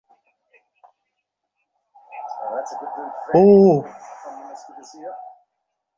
হ্যাঁ, আগে মাকির কাছে চলো।